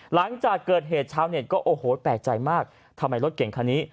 หลังจากเกิดเหตุชาวเน็ตก็โอ้โหแปลกใจมากทำไมรถเก่งคันนี้